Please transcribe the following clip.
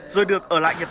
rồi được ở lại nhà hàng